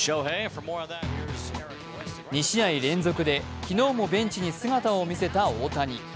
２試合連続で昨日もベンチに姿を見せた大谷。